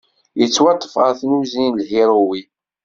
Yettwaṭṭef ɣef tnuzi n lhiruwin.